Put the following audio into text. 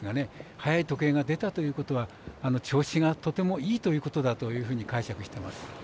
早い時計が出たということは調子がとてもいいことだというふうに解釈してます。